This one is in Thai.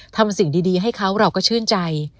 ทำสิ่งดีให้เขาเราก็ชื่นใจ